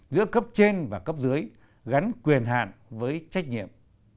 giữa cấp trên và cấp dưới gắn quyền hạn với trách nhiệm